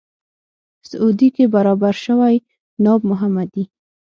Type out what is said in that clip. سعودي کې برابر شوی ناب محمدي.